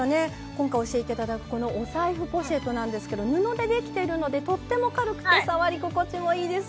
今回教えて頂くこのお財布ポシェットなんですけど布で出来てるのでとっても軽くて触り心地もいいです。